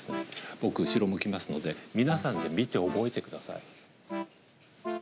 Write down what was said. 僕後ろ向きますので皆さんで見て覚えて下さい。